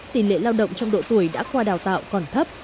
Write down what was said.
tỷ lệ lao động trong độ tuổi đã qua đào tạo còn thấp